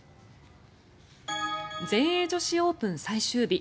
全英女子オープン最終日。